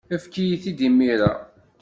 Efk-iyi-t-id imir-a.